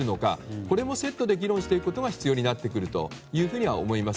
これもセットで議論していくことが必要になってくると思います。